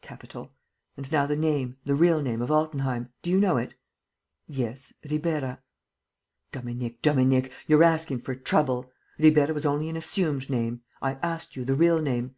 "Capital. And now the name, the real name of Altenheim. Do you know it?" "Yes, Ribeira." "Dominique, Dominique, you're asking for trouble. Ribeira was only an assumed name. I asked you the real name."